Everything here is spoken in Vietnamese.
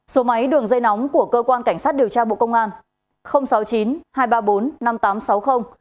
số máy đường dây nóng của cơ quan cảnh sát điều tra bộ công an sáu mươi chín hai trăm ba mươi bốn năm nghìn tám trăm sáu mươi